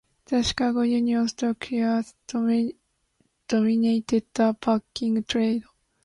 The Chicago Union Stock Yards dominated the packing trade.